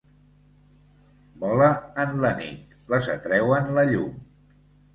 Vola en la nit les atreuen la llum.